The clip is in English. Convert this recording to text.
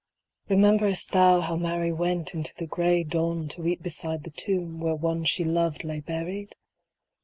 rememberest thou how Mary went In the gray dawn to weep beside the tomb Where one she loved lay buried